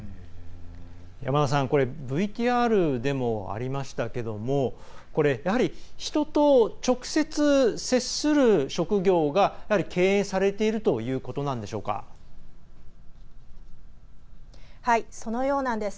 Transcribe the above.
山田さん、ＶＴＲでもありましたけれどもやはり、人と直接、接する職業がやはり敬遠されているということそのようなんです。